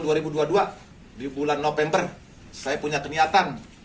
di bulan november saya punya keniatan